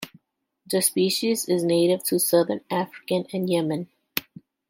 The species is native to Southern Africa and Yemen.